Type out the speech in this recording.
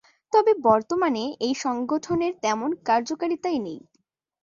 তবে বর্তমানে এই সংঘটনের তেমন কার্যকারিতা নেই।